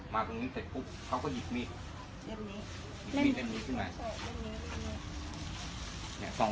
มาตรงนี้เสร็จปุ๊บเขาก็หยี่มมิเห็นไหน